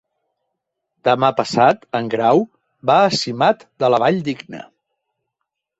Demà passat en Grau va a Simat de la Valldigna.